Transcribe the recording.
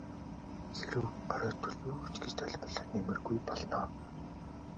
Хэрэв оройтвол юу ч гэж тайлбарлаад нэмэргүй болно.